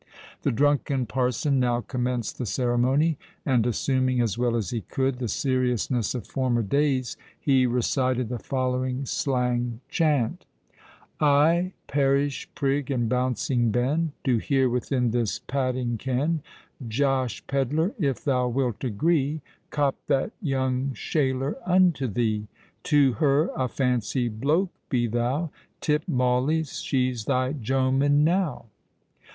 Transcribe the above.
The drunken parson now commenced the ceremony; and assuming, as well as he could, the seriousness of former days, he recited the following slang chant:— "I, parish prig and bouncing ben, Do here, within this padding ken, Josh Pedler—if thou wilt agree— Cop that young shaler unto thee. To her a fancy bloak be thou:— Tip mauleys—she's thy jomen now."